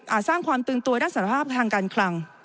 อาจสร้างความตึงตัวในสภาพทางการคลัง